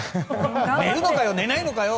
寝るのかよ、寝ないのかよ！